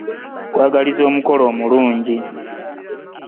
Nkwagaliza emikolo emirungi.